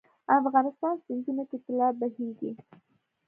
افغانستان سیندونو کې طلا بهیږي